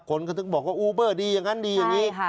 คนก็ถึงบอกว่าอูเบอร์ดีอย่างนั้นดีอย่างนี้